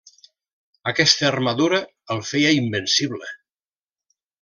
Aquesta armadura el feia invencible.